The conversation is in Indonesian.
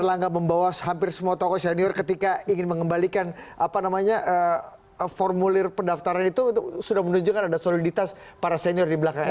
jadi kalau hampir semua tokoh senior ketika ingin mengembalikan apa namanya formulir pendaftaran itu sudah menunjukkan ada soliditas para senior di belakangnya